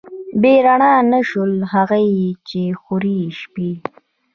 بې رڼا نه شول، هغوی چې خوروي شپې